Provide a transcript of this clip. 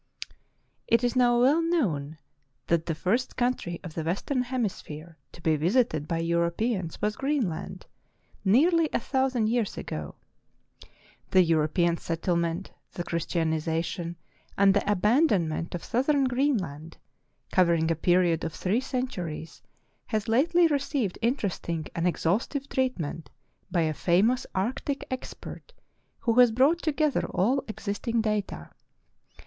IT is now well known that the first country of the western hemisphere to be visited by Europeans was Greenland — nearly a thousand years ago. The European settlement, the Christianization, and the abandonment of southern Greenland, covering a period of three centuries, has lately received interesting and exhaustive treatment by a famous arctic expert who has brought together all existing data.